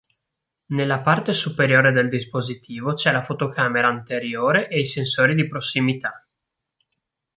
Nella parte superiore del dispositivo c'è la fotocamera anteriore e i sensori di prossimità.